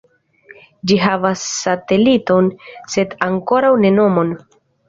Ĝi havas sateliton sed ankoraŭ ne nomon.